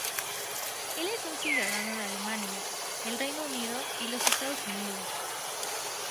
Él es un ciudadano de Alemania, el Reino Unido y los Estados Unidos.